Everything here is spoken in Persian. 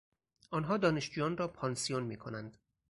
آنها دانشجویان را پانسیون میکنند.